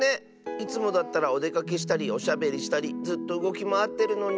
いつもだったらおでかけしたりおしゃべりしたりずっとうごきまわってるのに。